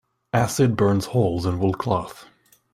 Acid burns holes in wool cloth.